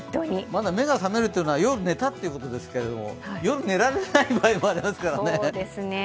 まだ目が覚めるというのは夜寝たということですけれども、夜、寝られない場合もありますからね。